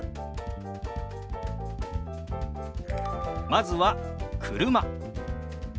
まずは「車」。